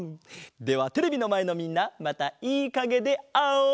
ではテレビのまえのみんなまたいいかげであおう！